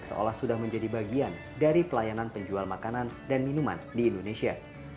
seolah sudah menjadi bagian dari pelayanan penjual makanan dan minuman di indonesia